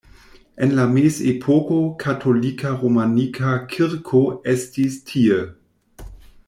En la mezepoko katolika romanika kirko estis tie.